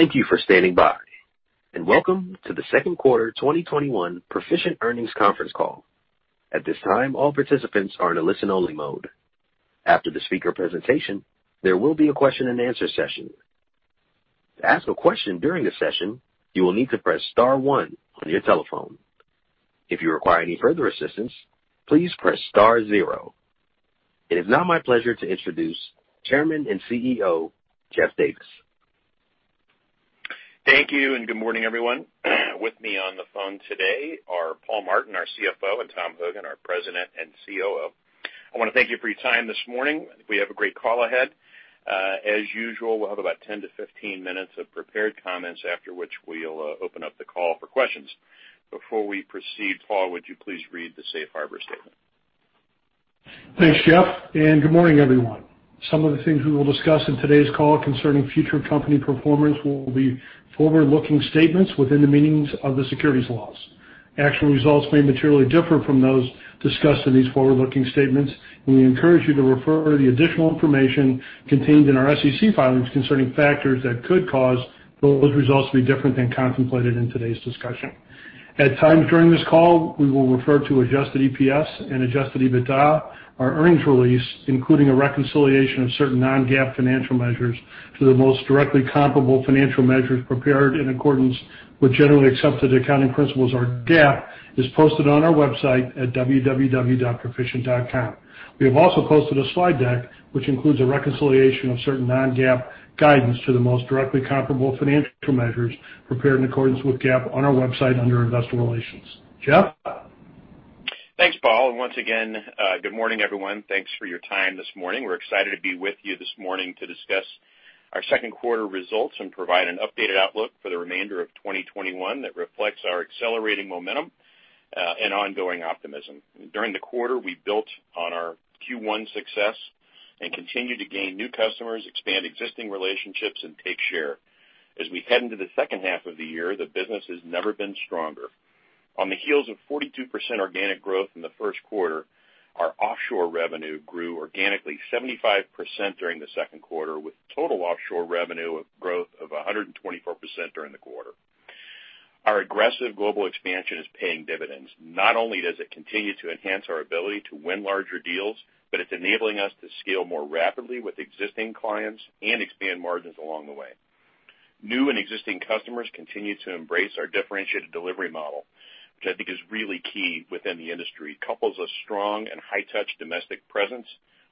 Thank you for standing by. Welcome to the Second Quarter 2021 Perficient Earnings Conference Call. At this time, all participants are in a listen-only mode. After the speaker presentation, there will be a question and answer session. To ask a question during the session, you will need to press star one on your telephone. If you require any further assistance, please press star zero. It is now my pleasure to introduce Chairman and CEO, Jeff Davis. Thank you, and good morning, everyone. With me on the phone today are Paul Martin, our CFO, and Tom Hogan, our President and COO. I want to thank you for your time this morning. We have a great call ahead. As usual, we'll have about 10-15 minutes of prepared comments, after which we'll open up the call for questions. Before we proceed, Paul, would you please read the safe harbor statement? Thanks, Jeff, and good morning, everyone. Some of the things we will discuss in today's call concerning future company performance will be forward-looking statements within the meanings of the securities laws. Actual results may materially differ from those discussed in these forward-looking statements, and we encourage you to refer to the additional information contained in our SEC filings concerning factors that could cause those results to be different than contemplated in today's discussion. At times during this call, we will refer to adjusted EPS and adjusted EBITDA. Our earnings release, including a reconciliation of certain non-GAAP financial measures to the most directly comparable financial measures prepared in accordance with generally accepted accounting principles or GAAP, is posted on our website at www.perficient.com. We have also posted a slide deck, which includes a reconciliation of certain non-GAAP guidance to the most directly comparable financial measures prepared in accordance with GAAP on our website under Investor Relations. Jeff? Thanks, Paul. Once again, good morning, everyone. Thanks for your time this morning. We're excited to be with you this morning to discuss our second quarter results and provide an updated outlook for the remainder of 2021 that reflects our accelerating momentum and ongoing optimism. During the quarter, we built on our Q1 success and continued to gain new customers, expand existing relationships, and take share. As we head into the second half of the year, the business has never been stronger. On the heels of 42% organic growth in the first quarter, our offshore revenue grew organically 75% during the second quarter, with total offshore revenue growth of 124% during the quarter. Our aggressive global expansion is paying dividends. Not only does it continue to enhance our ability to win larger deals, but it's enabling us to scale more rapidly with existing clients and expand margins along the way. New and existing customers continue to embrace our differentiated delivery model, which I think is really key within the industry. It couples a strong and high-touch domestic presence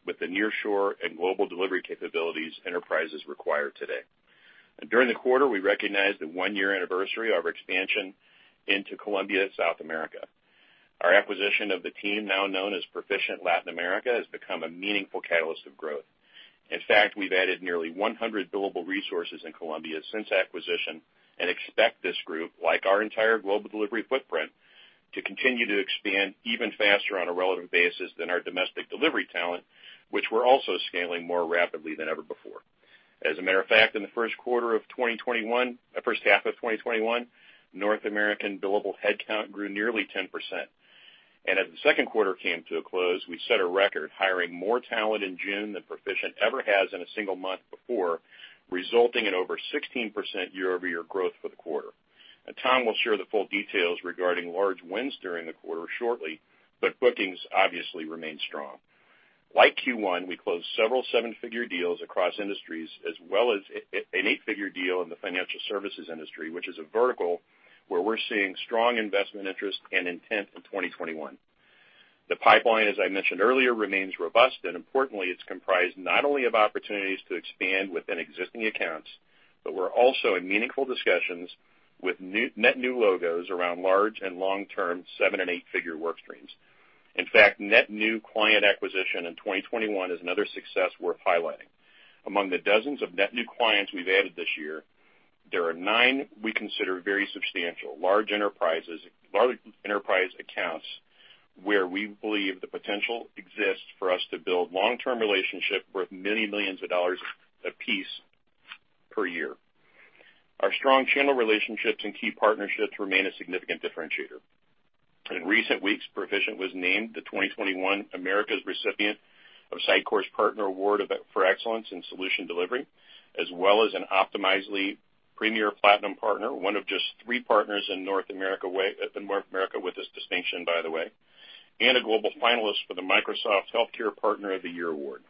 with the nearshore and global delivery capabilities enterprises require today. During the quarter, we recognized the one-year anniversary of our expansion into Colombia, South America. Our acquisition of the team, now known as Perficient Latin America, has become a meaningful catalyst of growth. In fact, we've added nearly 100 billable resources in Colombia since acquisition and expect this group, like our entire global delivery footprint, to continue to expand even faster on a relative basis than our domestic delivery talent, which we're also scaling more rapidly than ever before. As a matter of fact, in the first half of 2021, North American billable headcount grew nearly 10%. As the second quarter came to a close, we set a record hiring more talent in June than Perficient ever has in a single month before, resulting in over 16% year-over-year growth for the quarter. Tom will share the full details regarding large wins during the quarter shortly, but bookings obviously remain strong. Like Q1, we closed several seven-figure deals across industries, as well as an eight-figure deal in the financial services industry, which is a vertical where we're seeing strong investment interest and intent in 2021. The pipeline, as I mentioned earlier, remains robust, and importantly, it's comprised not only of opportunities to expand within existing accounts, but we're also in meaningful discussions with net new logos around large and long-term seven- and eight-figure work streams. In fact, net new client acquisition in 2021 is another success worth highlighting. Among the dozens of net new clients we've added this year, there are nine we consider very substantial, large enterprise accounts where we believe the potential exists for us to build long-term relationship worth many millions of dollars a piece per year. Our strong channel relationships and key partnerships remain a significant differentiator. In recent weeks, Perficient was named the 2021 Americas recipient of Sitecore's Partner Award for Excellence in Solution Delivery, as well as an Optimizely Premier Platinum Partner, one of just three partners in North America with this distinction, by the way, and a global finalist for the Microsoft Healthcare Partner of the Year Award.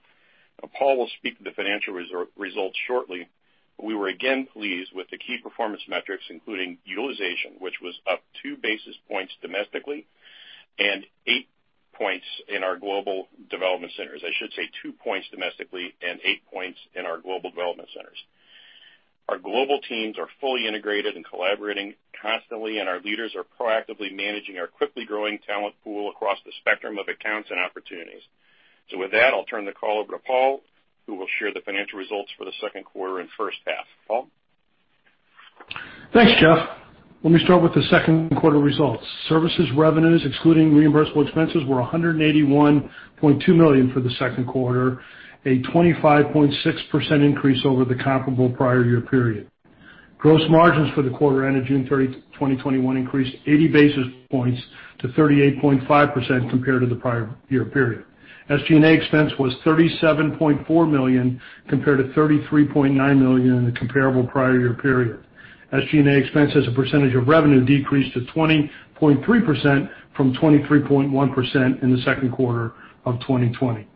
Paul will speak to the financial results shortly, but we were again pleased with the key performance metrics, including utilization, which was up 2 basis points domestically and 8 points in our global development centers. I should say 2 points domestically and 8 points in our global development centers. Our global teams are fully integrated and collaborating constantly, and our leaders are proactively managing our quickly growing talent pool across the spectrum of accounts and opportunities. With that, I'll turn the call over to Paul, who will share the financial results for the second quarter and first half. Paul? Thanks, Jeff. Let me start with the second quarter results. Services revenues excluding reimbursable expenses were $181.2 million for the second quarter, a 25.6% increase over the comparable prior year period. Gross margins for the quarter ended June 30, 2021 increased 80 basis points to 38.5% compared to the prior year period. SG&A expense was $37.4 million compared to $33.9 million in the comparable prior year period. SG&A expense as a percentage of revenue decreased to 20.3% from 23.1% in the second quarter of 2020.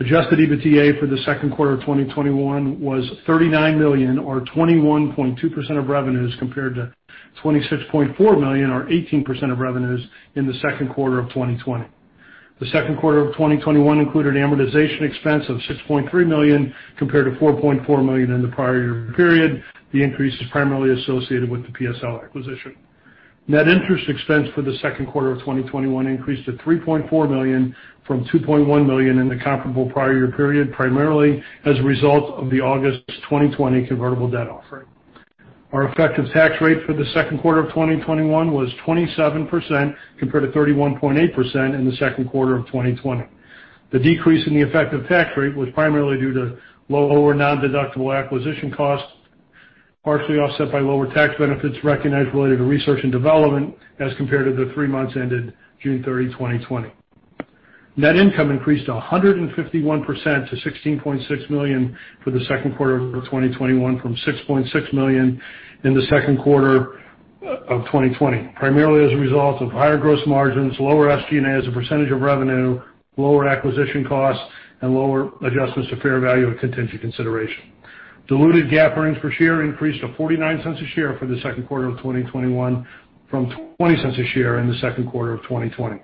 Adjusted EBITDA for the second quarter of 2021 was $39 million, or 21.2% of revenues, compared to $26.4 million or 18% of revenues in the second quarter of 2020. The second quarter of 2021 included amortization expense of $6.3 million compared to $4.4 million in the prior year period. The increase is primarily associated with the PSL acquisition. Net interest expense for the second quarter of 2021 increased to $3.4 million from $2.1 million in the comparable prior year period, primarily as a result of the August 2020 convertible debt offering. Our effective tax rate for the second quarter of 2021 was 27% compared to 31.8% in the second quarter of 2020. The decrease in the effective tax rate was primarily due to lower non-deductible acquisition costs, partially offset by lower tax benefits recognized related to research and development as compared to the three months ended June 30, 2020. Net income increased 151% to $16.6 million for the second quarter of 2021 from $6.6 million in the second quarter of 2020, primarily as a result of higher gross margins, lower SG&A as a percentage of revenue, lower acquisition costs, and lower adjustments to fair value of contingent consideration. Diluted GAAP earnings per share increased to $0.49 a share for the second quarter of 2021 from $0.20 a share in the second quarter of 2020.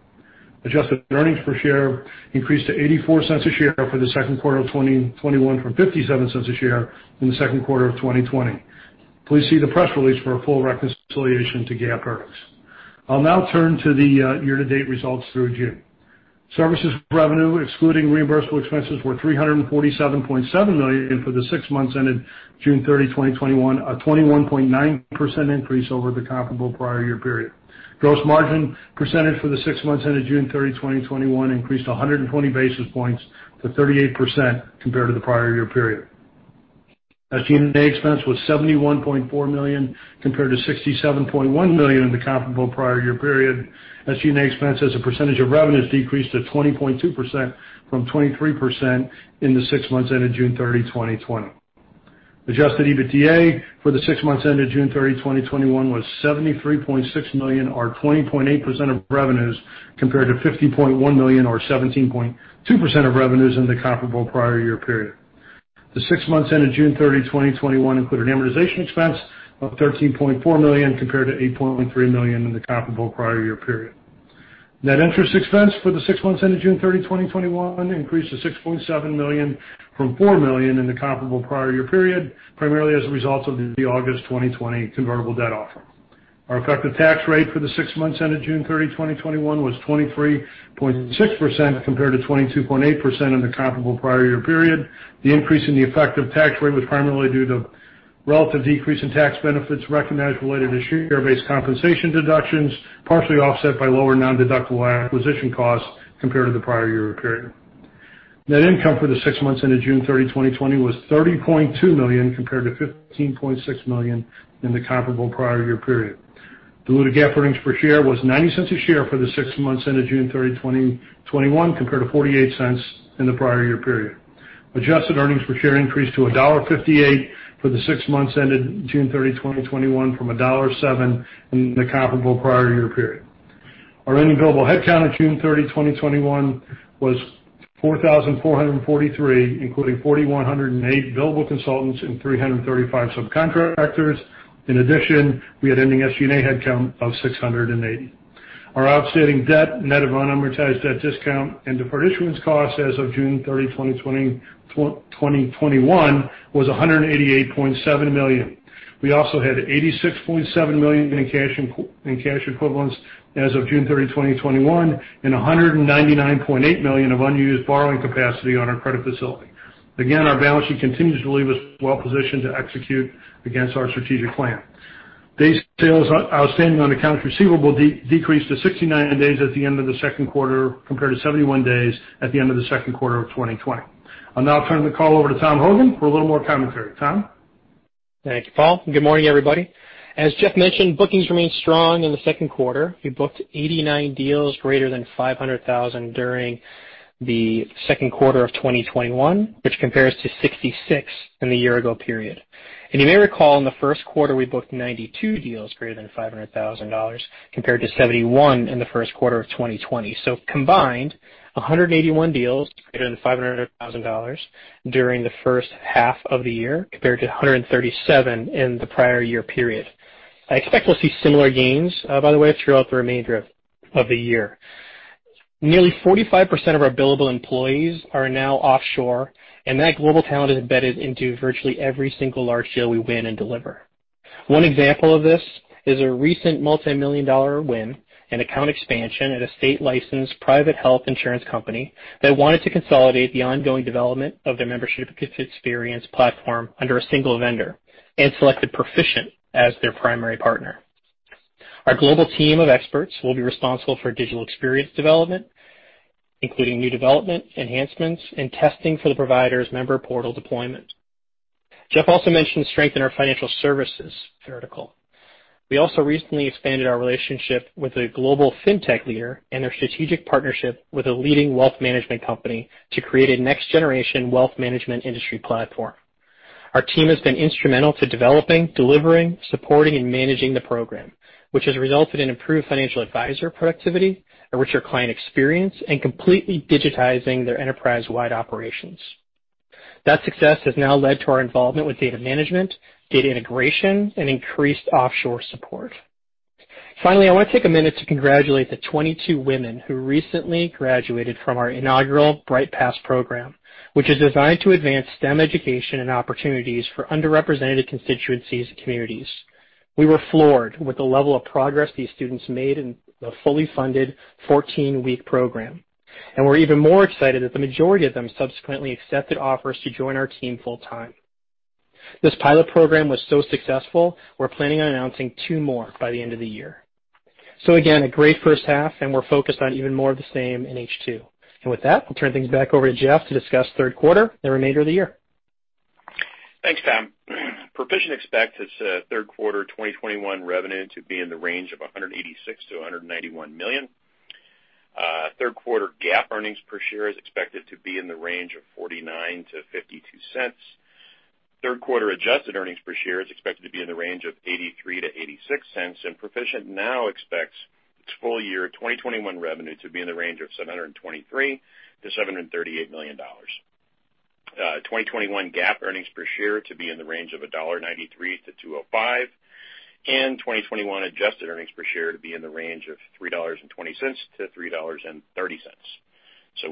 Adjusted earnings per share increased to $0.84 a share for the second quarter of 2021 from $0.57 a share in the second quarter of 2020. Please see the press release for a full reconciliation to GAAP earnings. I'll now turn to the year-to-date results through June. Services revenue excluding reimbursable expenses were $347.7 million for the six months ended June 30, 2021, a 21.9% increase over the comparable prior year period. Gross margin percentage for the six months ended June 30, 2021 increased 120 basis points to 38% compared to the prior year period. SG&A expense was $71.4 million compared to $67.1 million in the comparable prior year period. SG&A expense as a percentage of revenues decreased to 20.2% from 23% in the six months ended June 30, 2020. Adjusted EBITDA for the six months ended June 30, 2021 was $73.6 million or 20.8% of revenues, compared to $50.1 million or 17.2% of revenues in the comparable prior year period. The six months ended June 30, 2021 included amortization expense of $13.4 million compared to $8.3 million in the comparable prior year period. Net interest expense for the six months ended June 30, 2021 increased to $6.7 million from $4 million in the comparable prior year period, primarily as a result of the August 2020 convertible debt offering. Our effective tax rate for the six months ended June 30, 2021 was 23.6% compared to 22.8% in the comparable prior year period. The increase in the effective tax rate was primarily due to relative decrease in tax benefits recognized related to share-based compensation deductions, partially offset by lower non-deductible acquisition costs compared to the prior year period. Net income for the six months ended June 30, 2020 was $30.2 million compared to $15.6 million in the comparable prior year period. Diluted GAAP earnings per share was $0.90 a share for the six months ended June 30, 2021, compared to $0.48 in the prior year period. Adjusted earnings per share increased to $1.58 for the six months ended June 30, 2021, from $1.07 in the comparable prior year period. Our ending billable headcount at June 30, 2021 was 4,443 including 4,108 billable consultants and 335 subcontractors. In addition, we had ending SG&A headcount of 680. Our outstanding debt net of unamortized debt discount and deferment costs as of June 30, 2021 was $188.7 million. We also had $86.7 million in cash equivalents as of June 30, 2021, and $199.8 million of unused borrowing capacity on our credit facility. Our balance sheet continues to leave us well positioned to execute against our strategic plan. Days sales outstanding on accounts receivable decreased to 69 days at the end of the second quarter compared to 71 days at the end of the second quarter of 2020. I'll now turn the call over to Tom Hogan for a little more commentary. Tom? Thank you, Paul. Good morning, everybody. As Jeff mentioned, bookings remained strong in the second quarter. We booked 89 deals greater than $500,000 during the second quarter of 2021, which compares to 66 in the year ago period. You may recall in the first quarter, we booked 92 deals greater than $500,000 compared to 71 in the first quarter of 2020. Combined, 181 deals greater than $500,000 during the first half of the year compared to 137 in the prior year period. I expect we'll see similar gains, by the way, throughout the remainder of the year. Nearly 45% of our billable employees are now offshore, and that global talent is embedded into virtually every single large deal we win and deliver. One example of this is a recent multimillion-dollar win and account expansion at a state-licensed private health insurance company that wanted to consolidate the ongoing development of their membership experience platform under a single vendor and selected Perficient as their primary partner. Our global team of experts will be responsible for digital experience development, including new development, enhancements, and testing for the provider's member portal deployment. Jeff also mentioned strength in our financial services vertical. We also recently expanded our relationship with a global fintech leader and their strategic partnership with a leading wealth management company to create a next-generation wealth management industry platform. Our team has been instrumental to developing, delivering, supporting, and managing the program, which has resulted in improved financial advisor productivity, a richer client experience, and completely digitizing their enterprise-wide operations. That success has now led to our involvement with data management, data integration, and increased offshore support. Finally, I want to take a minute to congratulate the 22 women who recently graduated from our inaugural Bright Paths program, which is designed to advance STEM education and opportunities for underrepresented constituencies and communities. We were floored with the level of progress these students made in the fully funded 14-week program, and we're even more excited that the majority of them subsequently accepted offers to join our team full time. This pilot program was so successful, we're planning on announcing two more by the end of the year. Again, a great first half, and we're focused on even more of the same in H2. With that, I'll turn things back over to Jeff to discuss third quarter and the remainder of the year. Thanks, Tom. Perficient expects its third quarter 2021 revenue to be in the range of $186 million-$191 million. Third quarter GAAP earnings per share is expected to be in the range of $0.49-$0.52. Third quarter adjusted earnings per share is expected to be in the range of $0.83-$0.86. Perficient now expects its full year 2021 revenue to be in the range of $723 million-$738 million. 2021 GAAP earnings per share to be in the range of $1.93-$2.05, and 2021 adjusted earnings per share to be in the range of $3.20-$3.30.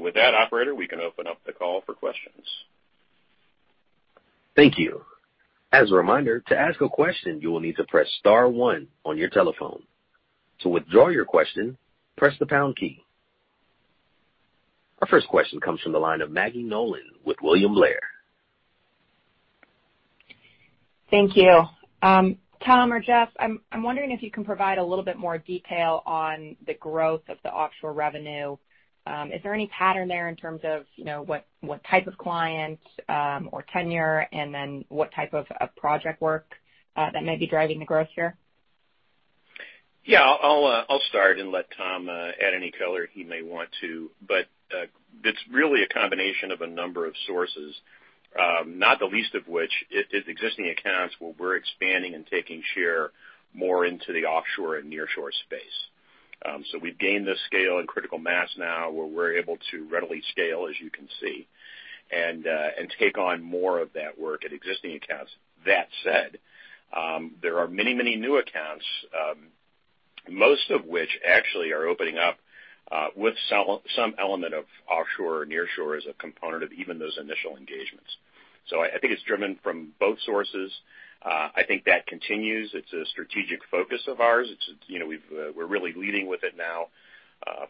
With that, operator, we can open up the call for questions. Thank you. As a reminder, to ask a question, you will need to press star one on your telephone. To withdraw your question, press the pound key. Our first question comes from the line of Maggie Nolan with William Blair. Thank you. Tom or Jeff, I am wondering if you can provide a little bit more detail on the growth of the offshore revenue. Is there any pattern there in terms of what type of client or tenure, and then what type of project work that may be driving the growth here? Yeah, I'll start and let Tom add any color he may want to. It's really a combination of a number of sources, not the least of which is existing accounts where we're expanding and taking share more into the offshore and nearshore space. We've gained the scale and critical mass now where we're able to readily scale, as you can see, and take on more of that work at existing accounts. That said, there are many new accounts, most of which actually are opening up with some element of offshore or nearshore as a component of even those initial engagements. I think it's driven from both sources. I think that continues. It's a strategic focus of ours. We're really leading with it now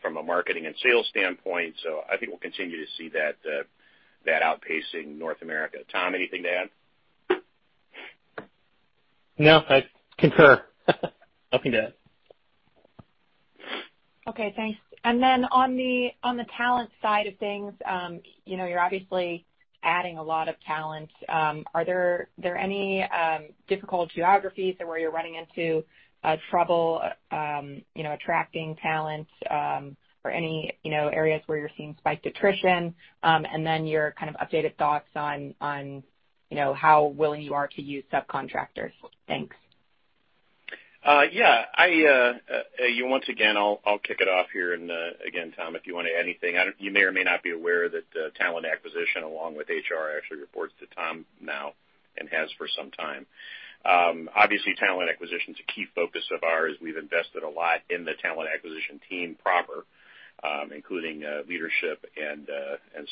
from a marketing and sales standpoint. I think we'll continue to see that outpacing North America. Tom, anything to add? No, I concur. Nothing to add. Okay, thanks. On the talent side of things, you're obviously adding a lot of talent. Are there any difficult geographies or where you're running into trouble attracting talent or any areas where you're seeing spiked attrition? Your kind of updated thoughts on how willing you are to use subcontractors. Thanks. Once again, I'll kick it off here, and again, Tom, if you want to add anything. You may or may not be aware that talent acquisition, along with HR, actually reports to Tom now and has for some time. Talent acquisition is a key focus of ours. We've invested a lot in the talent acquisition team proper, including leadership and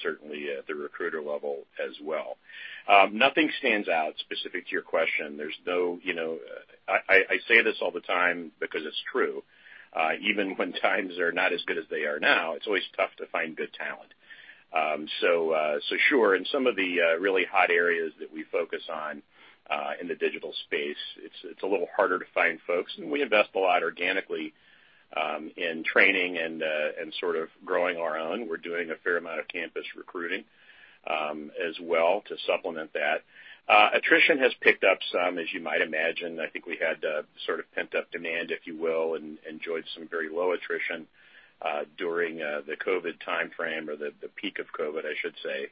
certainly at the recruiter level as well. Nothing stands out specific to your question. I say this all the time because it's true. Even when times are not as good as they are now, it's always tough to find good talent. Sure, in some of the really hot areas that we focus on in the digital space, it's a little harder to find folks. We invest a lot organically in training and sort of growing our own. We're doing a fair amount of campus recruiting as well to supplement that. Attrition has picked up some, as you might imagine. I think we had sort of pent-up demand, if you will, and enjoyed some very low attrition during the COVID timeframe or the peak of COVID, I should say.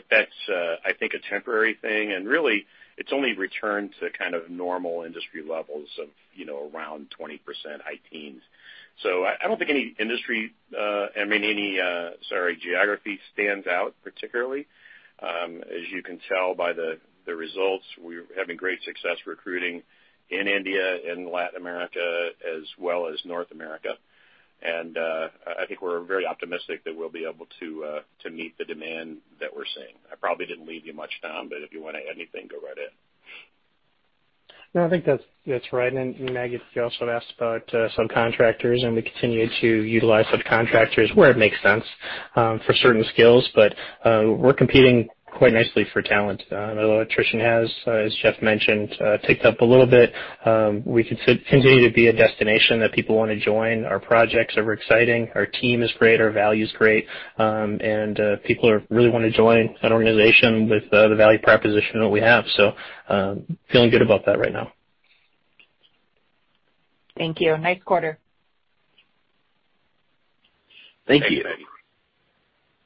That's, I think, a temporary thing, and really, it's only returned to kind of normal industry levels of around 20%, high teens. I don't think any geography stands out particularly. As you can tell by the results, we're having great success recruiting in India and Latin America as well as North America. I think we're very optimistic that we'll be able to meet the demand that we're seeing. I probably didn't leave you much, Tom, but if you want to add anything, go right ahead. No, I think that's right. Maggie, you also asked about subcontractors, and we continue to utilize subcontractors where it makes sense for certain skills. We're competing quite nicely for talent. Although attrition has, as Jeff mentioned, ticked up a little bit, we continue to be a destination that people want to join. Our projects are exciting, our team is great, our value is great, and people really want to join an organization with the value proposition that we have. Feeling good about that right now. Thank you. Nice quarter. Thank you.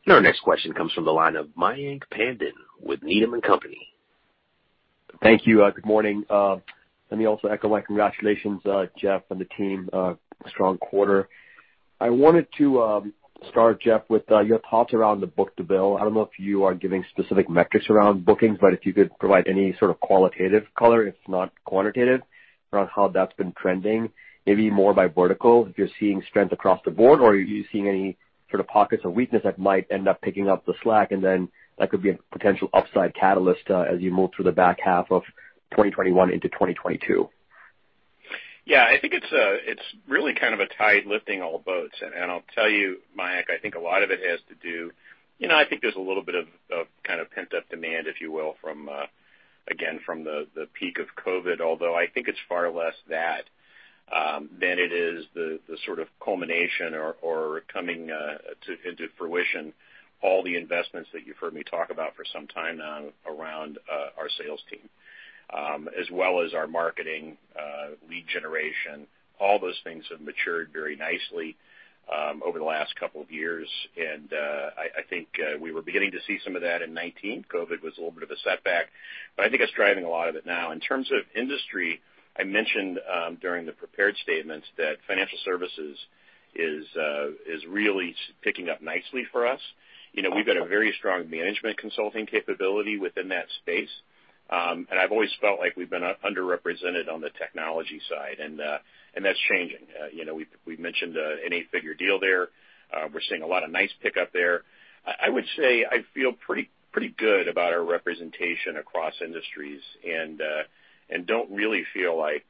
Our next question comes from the line of Mayank Tandon with Needham & Company. Thank you. Good morning. Let me also echo my congratulations, Jeff and the team. Strong quarter. I wanted to start, Jeff, with your thoughts around the book-to-bill. I don't know if you are giving specific metrics around bookings, but if you could provide any sort of qualitative color, if not quantitative, around how that's been trending, maybe more by vertical. If you're seeing strength across the board, or are you seeing any sort of pockets of weakness that might end up picking up the slack? That could be a potential upside catalyst as you move through the back half of 2021 into 2022. Yeah, I think it's really kind of a tide lifting all boats. I'll tell you, Mayank, I think a lot of it has to do, I think there's a little bit of kind of pent-up demand, if you will, again, from the peak of COVID. I think it's far less that than it is the sort of culmination or coming into fruition all the investments that you've heard me talk about for some time around our sales team as well as our marketing lead generation. All those things have matured very nicely over the last couple of years, and I think we were beginning to see some of that in 2019. COVID was a little bit of a setback, but I think it's driving a lot of it now. In terms of industry, I mentioned during the prepared statements that financial services is really picking up nicely for us. We've got a very strong management consulting capability within that space. I've always felt like we've been underrepresented on the technology side, and that's changing. We've mentioned an 8-figure deal there. We're seeing a lot of nice pickup there. I would say I feel pretty good about our representation across industries and don't really feel like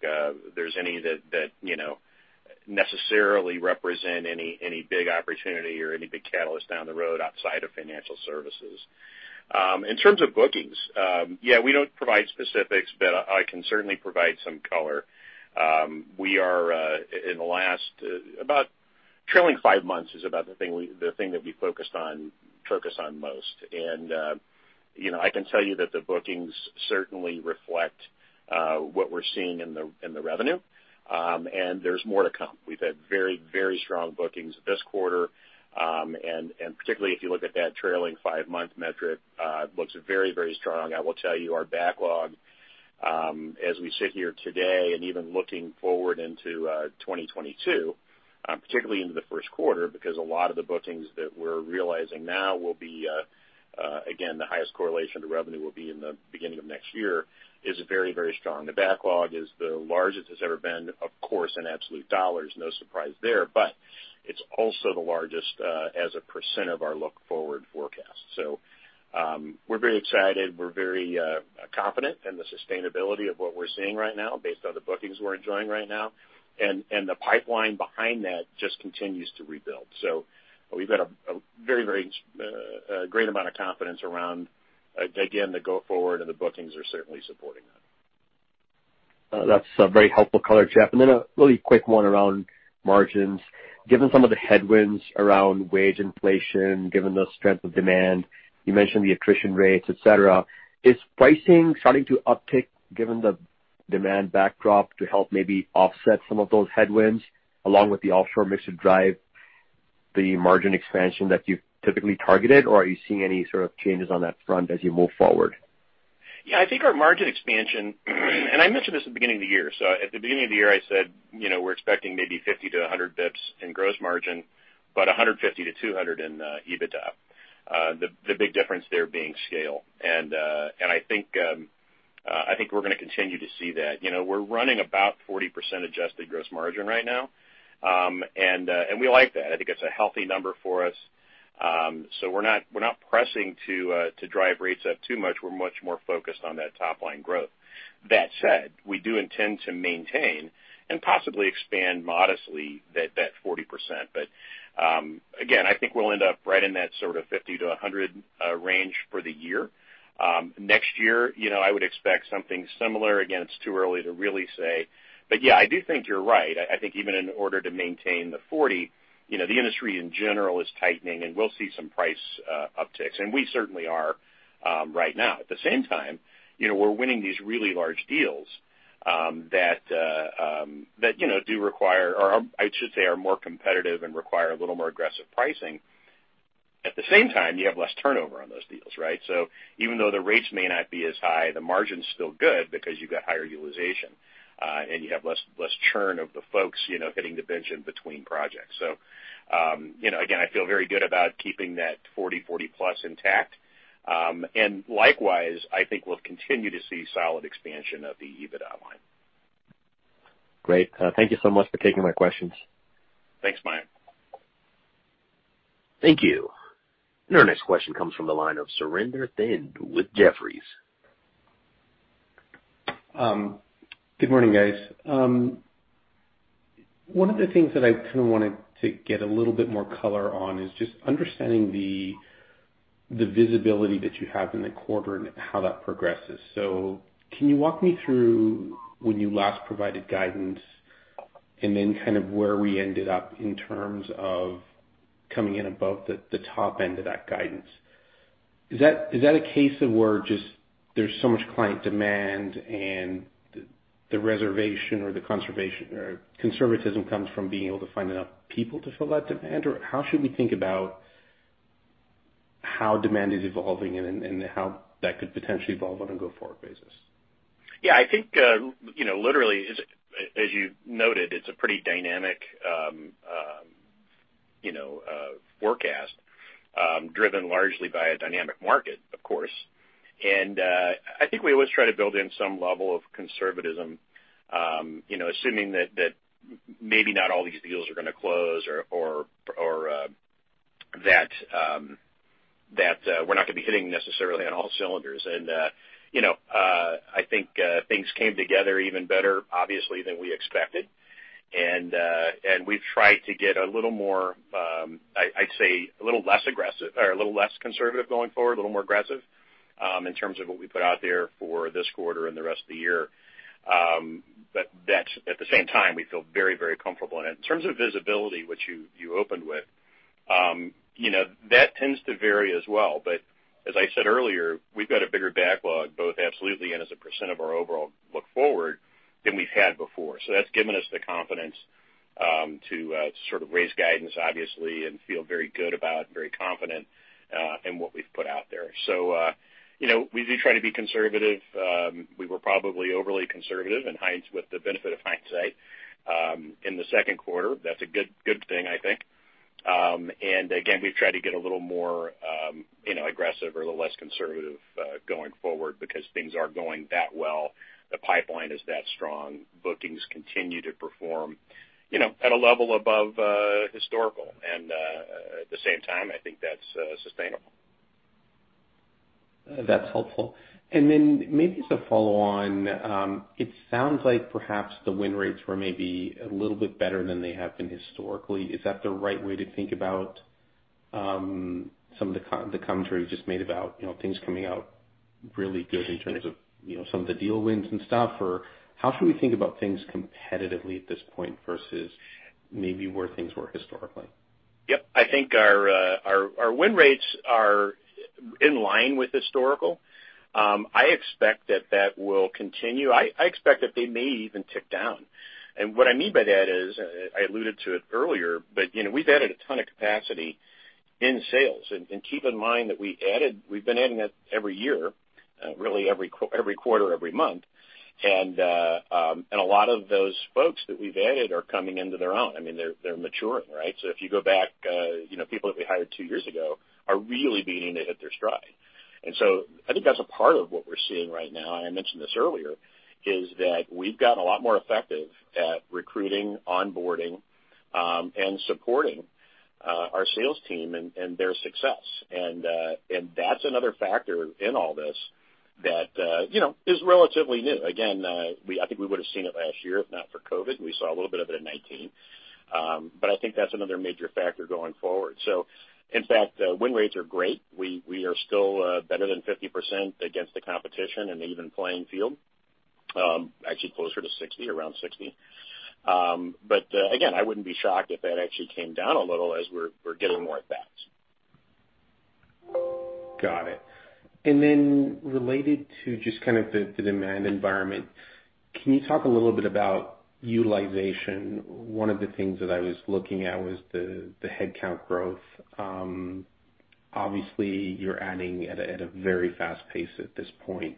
there's any that necessarily represent any big opportunity or any big catalyst down the road outside of financial services. In terms of bookings, yeah, we don't provide specifics, but I can certainly provide some color. About trailing five months is about the thing that we focus on most. I can tell you that the bookings certainly reflect what we're seeing in the revenue. There's more to come. We've had very strong bookings this quarter, and particularly if you look at that trailing five-month metric, looks very strong. I will tell you our backlog as we sit here today and even looking forward into 2022, particularly into the first quarter, because a lot of the bookings that we're realizing now will be, again, the highest correlation to revenue will be in the beginning of next year, is very strong. The backlog is the largest it's ever been, of course, in absolute dollars. No surprise there. It's also the largest as a percent of our look-forward forecast. We're very excited. We're very confident in the sustainability of what we're seeing right now based on the bookings we're enjoying right now. The pipeline behind that just continues to rebuild. We've got a very great amount of confidence around, again, the go forward, and the bookings are certainly supporting that. That's a very helpful color, Jeff. Then a really quick one around margins. Given some of the headwinds around wage inflation, given the strength of demand, you mentioned the attrition rates, etc, is pricing starting to uptick given the demand backdrop to help maybe offset some of those headwinds along with the offshore mix to drive the margin expansion that you've typically targeted? Or are you seeing any sort of changes on that front as you move forward? I think our margin expansion, and I mentioned this at the beginning of the year. At the beginning of the year, I said we're expecting maybe 50-100 basis points in gross margin, but 150-200 in EBITDA. The big difference there being scale. I think we're going to continue to see that. We're running about 40% adjusted gross margin right now, and we like that. I think it's a healthy number for us. We're not pressing to drive rates up too much. We're much more focused on that top-line growth. That said, we do intend to maintain and possibly expand modestly that 40%. Again, I think we'll end up right in that sort of 50-100 range for the year. Next year, I would expect something similar. Again, it's too early to really say. I do think you're right. I think even in order to maintain the 40%, the industry in general is tightening. We'll see some price upticks. We certainly are right now. At the same time, we're winning these really large deals that do require, or I should say are more competitive and require a little more aggressive pricing. At the same time, you have less turnover on those deals, right? Even though the rates may not be as high, the margin's still good because you've got higher utilization, and you have less churn of the folks hitting the bench in between projects. Again, I feel very good about keeping that 40%+ intact. Likewise, I think we'll continue to see solid expansion of the EBITDA line. Great. Thank you so much for taking my questions. Thanks, Mayank. Thank you. Our next question comes from the line of Surinder Thind with Jefferies. Good morning, guys. One of the things that I kind of wanted to get a little bit more color on is just understanding the visibility that you have in the quarter and how that progresses. Can you walk me through when you last provided guidance and then kind of where we ended up in terms of coming in above the top end of that guidance? Is that a case of where just there's so much client demand and the reservation or the conservatism comes from being able to find enough people to fill that demand, or how should we think about how demand is evolving and how that could potentially evolve on a go-forward basis? Yeah, I think literally, as you noted, it's a pretty dynamic forecast driven largely by a dynamic market, of course. I think we always try to build in some level of conservatism assuming that maybe not all these deals are going to close or that we're not going to be hitting necessarily on all cylinders. I think things came together even better, obviously, than we expected. We've tried to get a little more, I'd say, a little less conservative going forward, a little more aggressive in terms of what we put out there for this quarter and the rest of the year. At the same time, we feel very, very comfortable in it. In terms of visibility, which you opened with that tends to vary as well. As I said earlier, we've got a bigger backlog, both absolutely and as a percent of our overall look forward than we've had before. That's given us the confidence to sort of raise guidance, obviously, and feel very good about and very confident in what we've put out there. We do try to be conservative. We were probably overly conservative with the benefit of hindsight in the second quarter. That's a good thing, I think. Again, we've tried to get a little more aggressive or a little less conservative going forward because things are going that well. The pipeline is that strong. Bookings continue to perform at a level above historical. At the same time, I think that's sustainable. That's helpful. Maybe as a follow on, it sounds like perhaps the win rates were maybe a little bit better than they have been historically. Is that the right way to think about some of the commentary you just made about things coming out really good in terms of some of the deal wins and stuff, or how should we think about things competitively at this point versus maybe where things were historically? Yep. I think our win rates are in line with historical. I expect that that will continue. I expect that they may even tick down. What I mean by that is, I alluded to it earlier, but we've added a ton of capacity in sales. Keep in mind that we've been adding it every year really every quarter, every month. A lot of those folks that we've added are coming into their own. They're maturing, right? If you go back people that we hired two years ago are really beginning to hit their stride. I think that's a part of what we're seeing right now, and I mentioned this earlier, is that we've gotten a lot more effective at recruiting, onboarding, and supporting our sales team and their success. That's another factor in all this that is relatively new. Again, I think we would've seen it last year if not for COVID. We saw a little bit of it in 2019. I think that's another major factor going forward. In fact, win rates are great. We are still better than 50% against the competition in an even playing field, actually closer to 60%, around 60%. Again, I wouldn't be shocked if that actually came down a little as we're getting more advanced. Got it. Related to just kind of the demand environment, can you talk a little bit about utilization? One of the things that I was looking at was the headcount growth. Obviously, you're adding at a very fast pace at this point.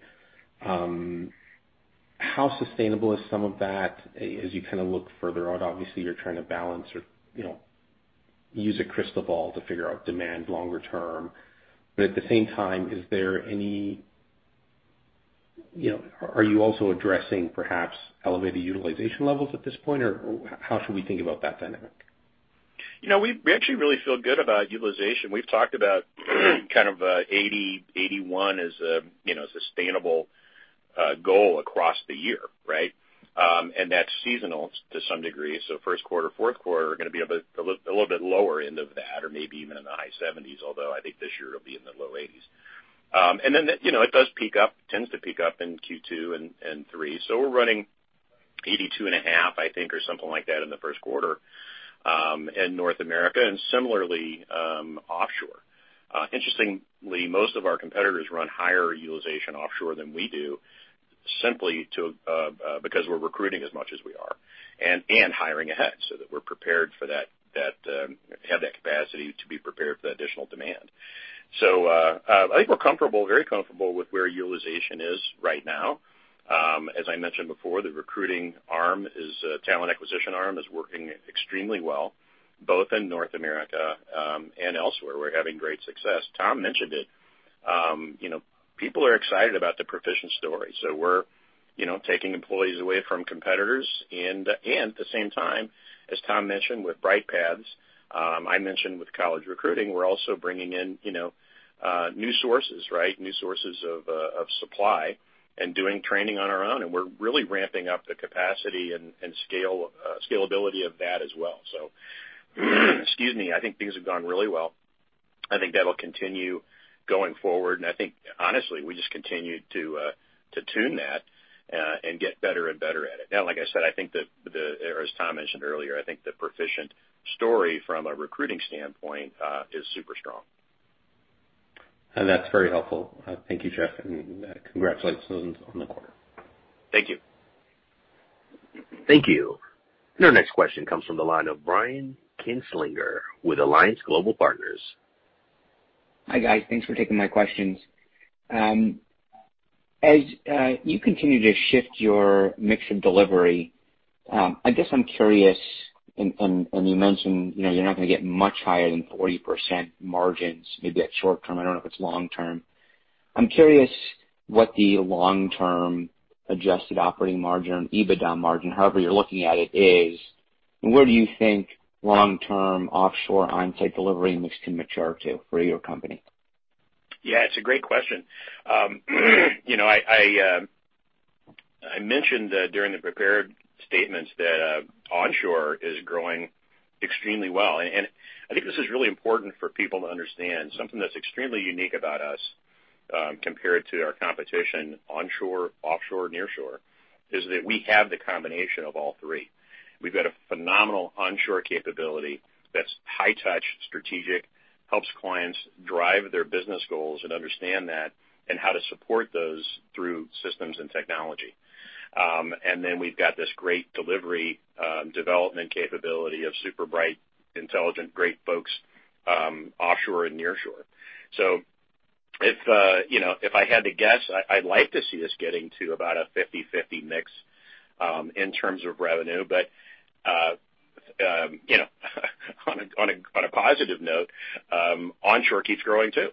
How sustainable is some of that as you kind of look further out? Obviously, you're trying to balance or use a crystal ball to figure out demand longer term, but at the same time, are you also addressing perhaps elevated utilization levels at this point, or how should we think about that dynamic? We actually really feel good about utilization. We've talked about kind of 80%, 81% as a sustainable goal across the year, right? That's seasonal to some degree. First quarter, fourth quarter are going to be a little bit lower end of that, or maybe even in the high 70s, although I think this year it'll be in the low 80s. It does peak up, tends to peak up in Q2 and Q3. We're running 82.5%, I think, or something like that in the first quarter in North America and similarly offshore. Interestingly, most of our competitors run higher utilization offshore than we do simply because we're recruiting as much as we are and hiring ahead so that we have that capacity to be prepared for the additional demand. I think we're very comfortable with where utilization is right now. As I mentioned before, the recruiting arm is talent acquisition arm is working extremely well, both in North America and elsewhere. We're having great success. Tom mentioned it. People are excited about the Perficient story. We're taking employees away from competitors. At the same time, as Tom mentioned, with Bright Paths, I mentioned with college recruiting, we're also bringing in new sources, right? New sources of supply and doing training on our own. We're really ramping up the capacity and scalability of that as well. I think things have gone really well. I think that'll continue going forward. I think, honestly, we just continue to tune that, and get better and better at it. Now, like I said, or as Tom mentioned earlier, I think the Perficient story from a recruiting standpoint is super strong. That's very helpful. Thank you, Jeff, and congratulations on the quarter. Thank you. Thank you. Our next question comes from the line of Brian Kinstlinger with Alliance Global Partners. Hi, guys. Thanks for taking my questions. As you continue to shift your mix of delivery, I guess I'm curious, and you mentioned you're not going to get much higher than 40% margins, maybe at short-term, I don't know if it's long-term. I'm curious what the long-term adjusted operating margin, EBITDA margin, however you're looking at it is, and where do you think long-term offshore onsite delivery mix can mature to for your company? Yeah, it's a great question. I mentioned during the prepared statements that onshore is growing extremely well. I think this is really important for people to understand. Something that's extremely unique about us, compared to our competition, onshore, offshore, nearshore, is that we have the combination of all three. We've got a phenomenal onshore capability that's high touch, strategic, helps clients drive their business goals and understand that, and how to support those through systems and technology. Then we've got this great delivery, development capability of super bright, intelligent, great folks offshore and nearshore. If I had to guess, I'd like to see us getting to about a 50/50 mix in terms of revenue. On a positive note, onshore keeps growing too.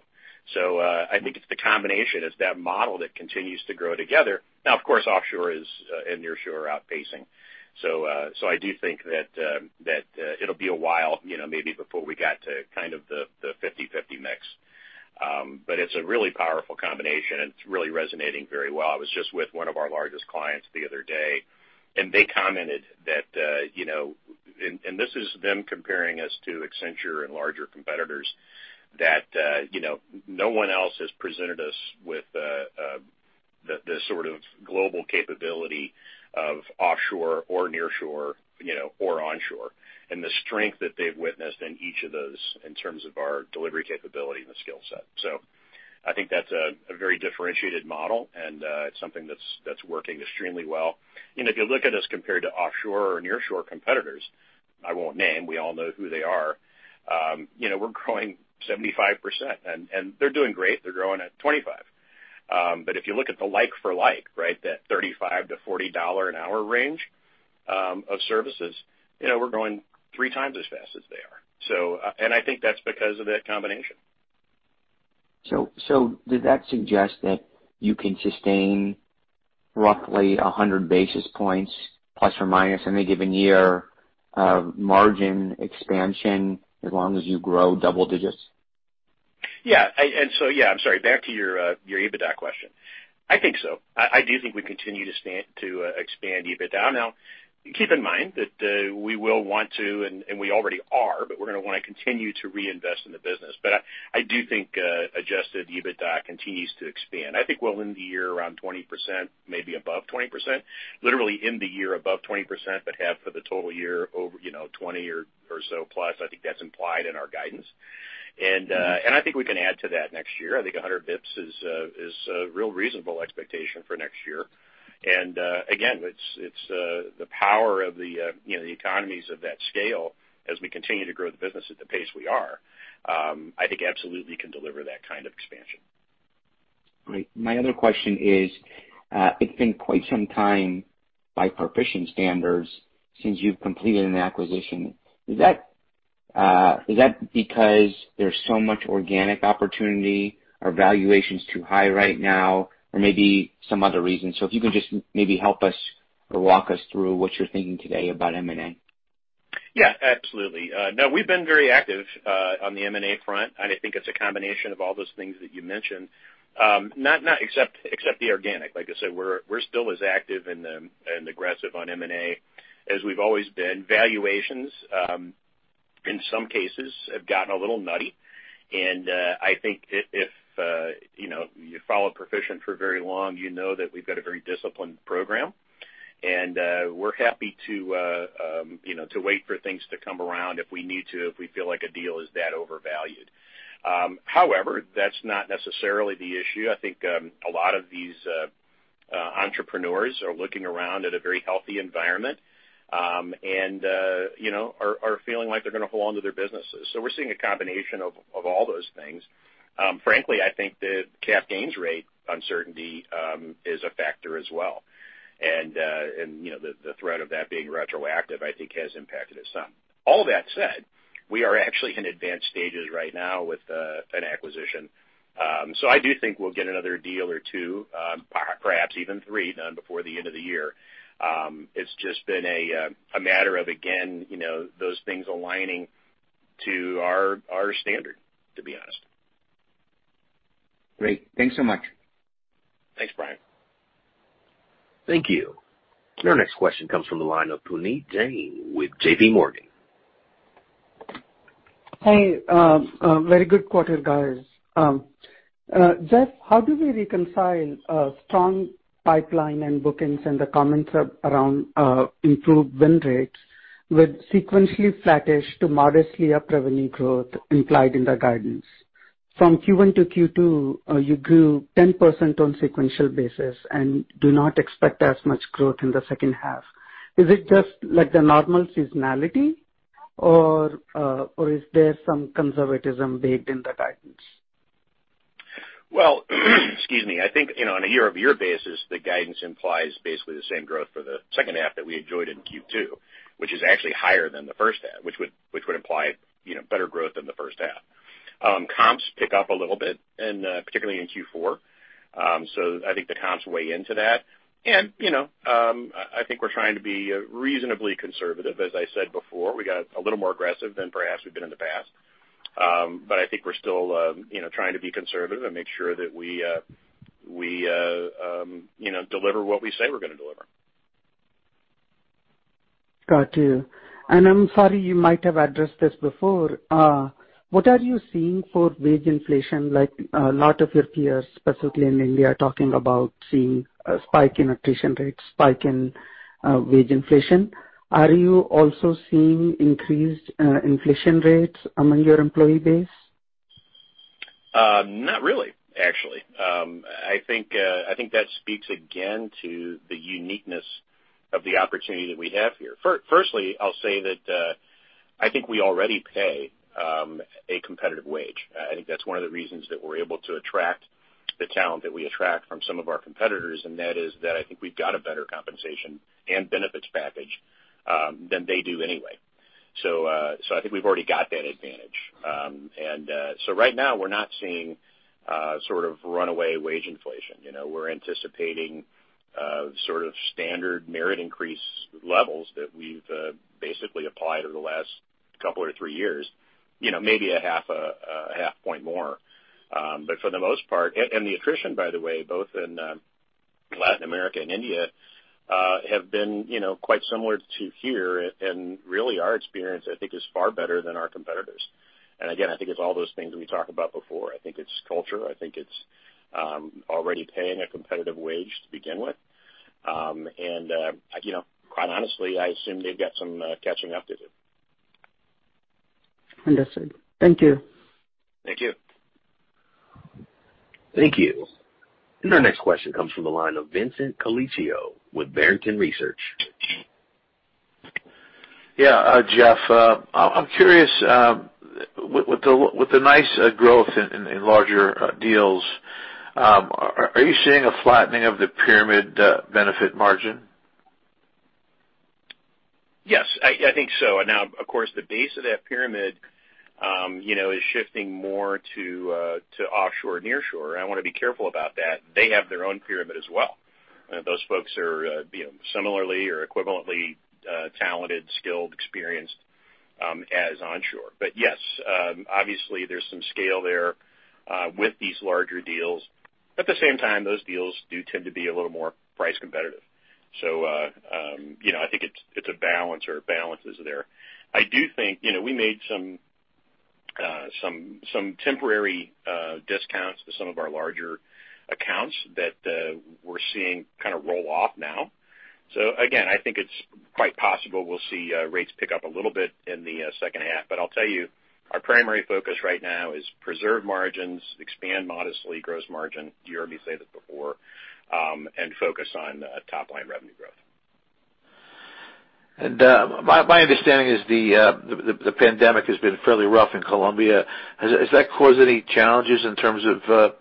I think it's the combination. It's that model that continues to grow together. Now, of course, offshore and nearshore are outpacing. I do think that it'll be a while maybe before we got to the 50/50 mix. But it's a really powerful combination, and it's really resonating very well. I was just with one of our largest clients the other day, and they commented that and this is them comparing us to Accenture and larger competitors, that no one else has presented us with the sort of global capability of offshore or nearshore or onshore. And the strength that they've witnessed in each of those in terms of our delivery capability and the skill set. I think that's a very differentiated model, and it's something that's working extremely well. If you look at us compared to offshore or nearshore competitors, I won't name, we all know who they are. We're growing 75%, and they're doing great. They're growing at 25%. If you look at the like for like, right. That $35-$40 an hour range of services, we're growing three times as fast as they are. I think that's because of that combination. Does that suggest that you can sustain roughly 100 basis points plus or minus any given year of margin expansion as long as you grow double digits? Yeah. I'm sorry, back to your EBITDA question. I think so. I do think we continue to expand EBITDA. Now, keep in mind that we will want to, and we already are, but we're going to want to continue to reinvest in the business. I do think adjusted EBITDA continues to expand. I think we'll end the year around 20%, maybe above 20%. Literally in the year above 20%, but have for the total year over 20% or so plus. I think that's implied in our guidance. I think we can add to that next year. I think 100 basis points is a real reasonable expectation for next year. Again, it's the power of the economies of that scale as we continue to grow the business at the pace we are. I think absolutely can deliver that kind of expansion. Great. My other question is, it's been quite some time by Perficient standards since you've completed an acquisition. Is that because there's so much organic opportunity? Are valuations too high right now? Maybe some other reason. If you can just maybe help us or walk us through what you're thinking today about M&A. Yeah, absolutely. No, we've been very active on the M&A front. I think it's a combination of all those things that you mentioned. Except the organic. Like I said, we're still as active and aggressive on M&A as we've always been. Valuations, in some cases, have gotten a little nutty. I think if you follow Perficient for very long, you know that we've got a very disciplined program. We're happy to wait for things to come around if we need to, if we feel like a deal is that overvalued. However, that's not necessarily the issue. I think a lot of these entrepreneurs are looking around at a very healthy environment, are feeling like they're going to hold on to their businesses. We're seeing a combination of all those things. Frankly, I think the capital gains rate uncertainty is a factor as well. The threat of that being retroactive, I think has impacted it some. All that said, we are actually in advanced stages right now with an acquisition. I do think we'll get another deal or two, perhaps even three done before the end of the year. It's just been a matter of, again, those things aligning to our standard, to be honest. Great. Thanks so much. Thanks, Brian. Thank you. Our next question comes from the line of Puneet Jain with JPMorgan. Hey. Very good quarter, guys. Jeff, how do we reconcile a strong pipeline and bookings and the comments around improved win rates with sequentially flattish to modestly up revenue growth implied in the guidance? From Q1 to Q2, you grew 10% on sequential basis and do not expect as much growth in the second half. Is it just like the normal seasonality or is there some conservatism baked in the guidance? Well, I think on a year-over-year basis, the guidance implies basically the same growth for the second half that we enjoyed in Q2, which is actually higher than the first half, which would imply better growth than the first half. Comps pick up a little bit, particularly in Q4. I think the comps weigh into that. I think we're trying to be reasonably conservative. As I said before, we got a little more aggressive than perhaps we've been in the past. I think we're still trying to be conservative and make sure that we deliver what we say we're going to deliver. Got you. I'm sorry, you might have addressed this before. What are you seeing for wage inflation? A lot of your peers, specifically in India, are talking about seeing a spike in attrition rates, spike in wage inflation. Are you also seeing increased inflation rates among your employee base? Not really, actually. I think that speaks again to the uniqueness of the opportunity that we have here. Firstly, I'll say that I think we already pay a competitive wage. I think that's one of the reasons that we're able to attract the talent that we attract from some of our competitors, and that is that I think we've got a better compensation and benefits package than they do anyway. I think we've already got that advantage. Right now we're not seeing sort of runaway wage inflation. We're anticipating sort of standard merit increase levels that we've basically applied over the last couple or three years, maybe a half point more. For the most part. The attrition, by the way, both in Latin America and India, have been quite similar to here. Really our experience, I think, is far better than our competitors. Again, I think it's all those things that we talked about before. I think it's culture. I think it's already paying a competitive wage to begin with. Quite honestly, I assume they've got some catching up to do. Understood. Thank you. Thank you. Thank you. Our next question comes from the line of Vincent Colicchio with Barrington Research. Yeah. Jeff, I'm curious, with the nice growth in larger deals, are you seeing a flattening of the pyramid benefit margin? Of course, the base of that pyramid is shifting more to offshore and nearshore. I want to be careful about that. They have their own pyramid as well. Those folks are similarly or equivalently talented, skilled, experienced as onshore. Yes, obviously there's some scale there with these larger deals. At the same time, those deals do tend to be a little more price competitive. I think it's a balance or balances there. I do think we made some temporary discounts to some of our larger accounts that we're seeing kind of roll off now. Again, I think it's quite possible we'll see rates pick up a little bit in the second half. I'll tell you, our primary focus right now is preserve margins, expand modestly gross margin, you heard me say this before, and focus on top-line revenue growth. My understanding is the pandemic has been fairly rough in Colombia. Has that caused any challenges in terms of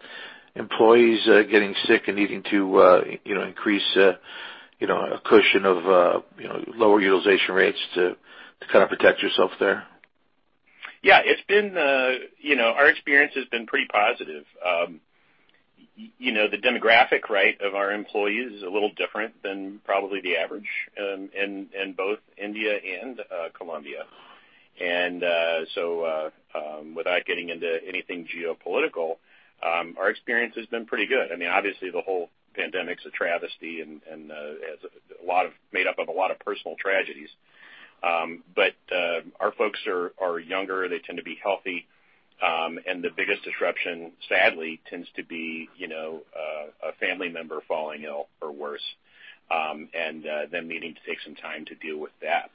employees getting sick and needing to increase a cushion of lower utilization rates to kind of protect yourself there? Yeah. Our experience has been pretty positive. The demographic rate of our employees is a little different than probably the average in both India and Colombia. Without getting into anything geopolitical, our experience has been pretty good. Obviously the whole pandemic's a travesty and is made up of a lot of personal tragedies. Our folks are younger. They tend to be healthy. The biggest disruption, sadly, tends to be a family member falling ill or worse, and them needing to take some time to deal with that.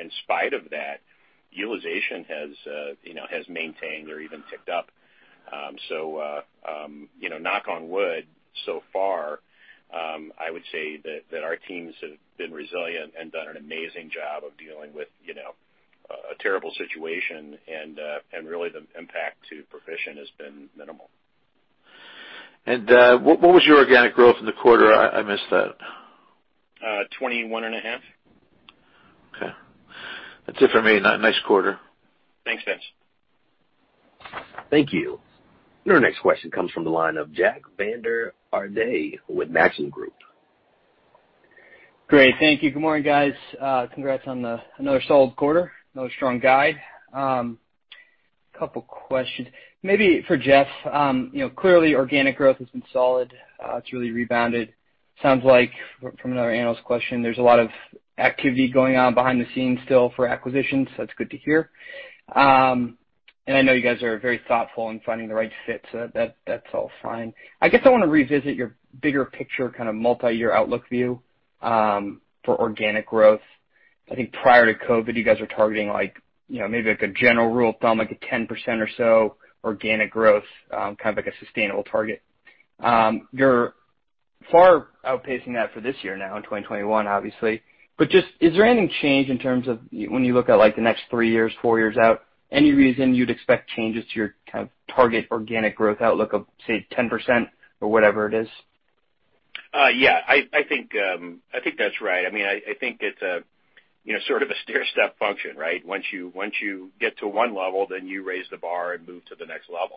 In spite of that, utilization has maintained or even ticked up. Knock on wood so far, I would say that our teams have been resilient and done an amazing job of dealing with a terrible situation, and really the impact to Perficient has been minimal. What was your organic growth in the quarter? I missed that. 21.5%. Okay. That's it for me. Nice quarter. Thanks, Vincent. Thank you. Our next question comes from the line of Jack Vander Aarde with Maxim Group. Great. Thank you. Good morning, guys. Congrats on another solid quarter, another strong guide. Couple questions. Maybe for Jeff. Clearly organic growth has been solid. It's really rebounded. Sounds like from another analyst question, there's a lot of activity going on behind the scenes still for acquisitions. That's good to hear. I know you guys are very thoughtful in finding the right fit, so that's all fine. I guess I want to revisit your bigger picture, kind of multi-year outlook view, for organic growth. I think prior to COVID, you guys were targeting maybe like a general rule of thumb, like a 10% or so organic growth, kind of like a sustainable target. You're far outpacing that for this year now in 2021, obviously. Is there any change in terms of when you look at the next three years, four years out? Any reason you'd expect changes to your kind of target organic growth outlook of, say, 10% or whatever it is? Yeah. I think that's right. I think it's sort of a stairstep function, right? Once you get to one level, you raise the bar and move to the next level.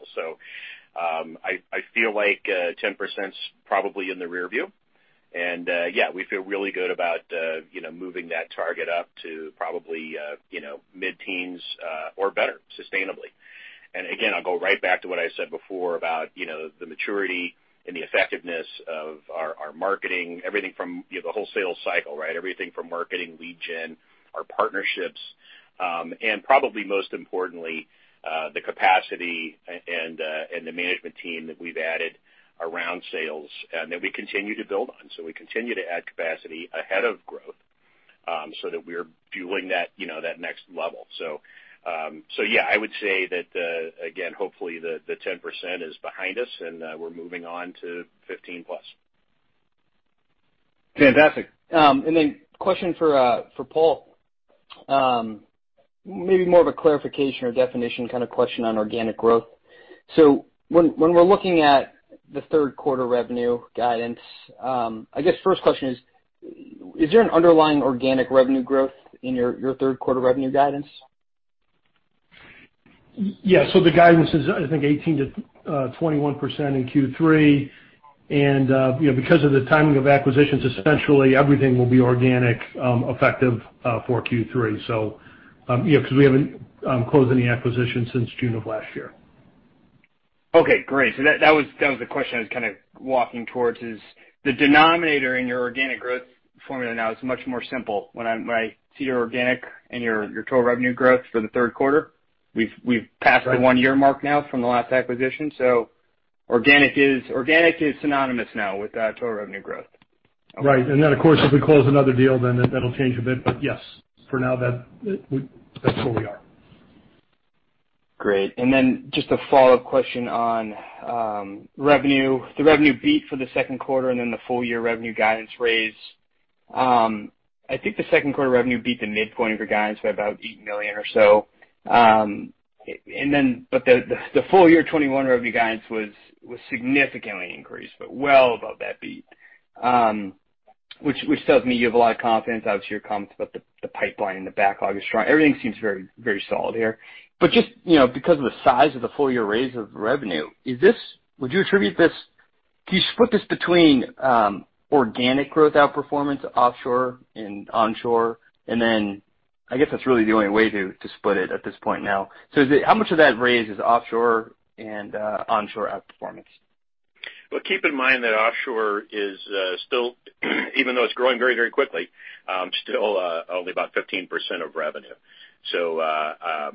I feel like 10%'s probably in the rear view. Yeah, we feel really good about moving that target up to probably mid-teens or better, sustainably. Again, I'll go right back to what I said before about the maturity and the effectiveness of our marketing. Everything from the whole sales cycle, right? Everything from marketing, lead gen, our partnerships. Probably most importantly, the capacity and the management team that we've added around sales and that we continue to build on. We continue to add capacity ahead of growth, so that we're fueling that next level. Yeah, I would say that, again, hopefully the 10% is behind us and we're moving on to 15%+. Fantastic. Question for Paul, maybe more of a clarification or definition kind of question on organic growth. When we're looking at the third quarter revenue guidance, I guess first question is: Is there an underlying organic revenue growth in your third quarter revenue guidance? Yeah. The guidance is, I think, 18%-21% in Q3. Because of the timing of acquisitions, essentially everything will be organic effective for Q3. We haven't closed any acquisitions since June of last year. Okay, great. That was the question I was kind of walking towards, the denominator in your organic growth formula now is much more simple when I see your organic and your total revenue growth for the third quarter. We've passed the one-year mark now from the last acquisition. Organic is synonymous now with total revenue growth. Right. Then, of course, if we close another deal, then that'll change a bit. Yes. For now, that's where we are. Great. Just a follow-up question on revenue. The revenue beat for the second quarter the full year revenue guidance raise. I think the second quarter revenue beat the midpoint of your guidance by about $8 million or so. The full year 2021 revenue guidance was significantly increased, but well above that beat. Which tells me you have a lot of confidence, obviously your comments about the pipeline and the backlog is strong. Everything seems very solid here. Just because of the size of the full year raise of revenue, can you split this between organic growth outperformance offshore and onshore? I guess that's really the only way to split it at this point now. How much of that raise is offshore and onshore outperformance? Keep in mind that offshore is still even though it's growing very quickly, still only about 15% of revenue. I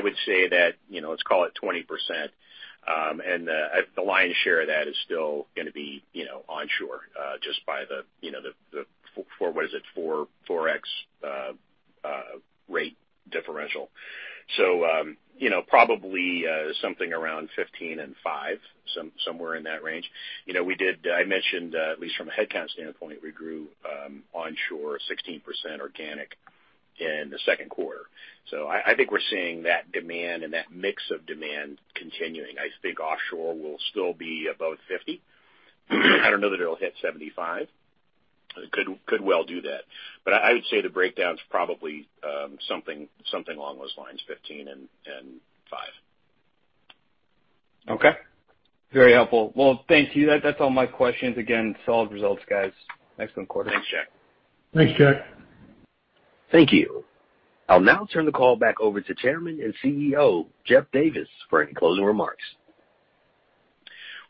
would say that, let's call it 20%. The lion's share of that is still gonna be onshore, just by the, what is it, 4x rate differential. Probably something around 15% and 5%, somewhere in that range. I mentioned at least from a headcount standpoint, we grew onshore 16% organic in the second quarter. I think we're seeing that demand and that mix of demand continuing. I think offshore will still be above 50%. I don't know that it'll hit 75%. It could well do that. I would say the breakdown's probably something along those lines, 15% and 5%. Okay. Very helpful. Thank you. That's all my questions. Solid results, guys. Excellent quarter. Thanks, Jack. Thanks, Jack. Thank you. I'll now turn the call back over to Chairman and CEO, Jeff Davis, for any closing remarks.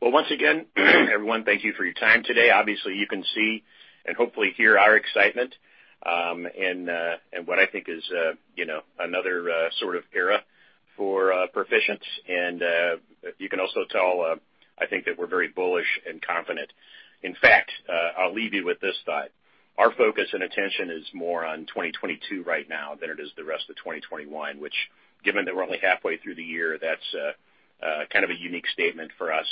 Well, once again, everyone, thank you for your time today. Obviously, you can see and hopefully hear our excitement in what I think is another sort of era for Perficient. You can also tell, I think that we're very bullish and confident. In fact, I'll leave you with this thought. Our focus and attention is more on 2022 right now than it is the rest of 2021, which given that we're only halfway through the year, that's kind of a unique statement for us.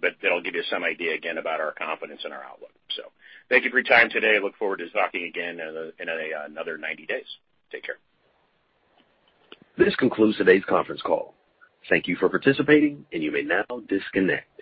That'll give you some idea, again, about our confidence and our outlook. Thank you for your time today. Look forward to talking again in another 90 days. Take care. This concludes today's conference call. Thank you for participating, and you may now disconnect.